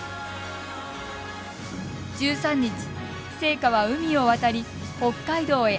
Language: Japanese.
１３日、聖火は海を渡り北海道へ。